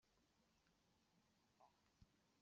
Amek tɛelmeḍ d ṣṣeḥ?